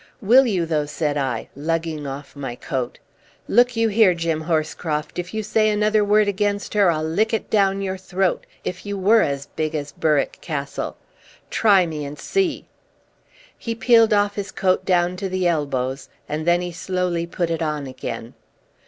"Will you, though?" said I, lugging off my coat. "Look you here, Jim Horscroft, if you say another word against her, I'll lick it down your throat, if you were as big as Berwick Castle! Try me and see!" He peeled off his coat down to the elbows, and then he slowly put it on again.